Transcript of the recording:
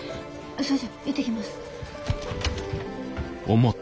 それじゃあ行ってきます。